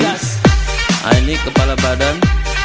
nah ini kepala badan